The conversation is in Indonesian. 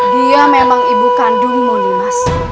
dia memang ibu kandung mohon nih mas